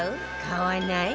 買わない？